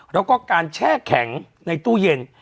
แล้วก็การแช่แข็งในตู้เย็น